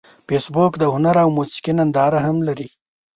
فېسبوک د هنر او موسیقۍ ننداره هم لري